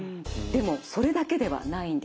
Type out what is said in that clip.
でもそれだけではないんです。